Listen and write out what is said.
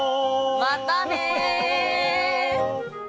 またね！